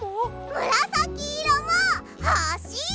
むらさきいろもほしい！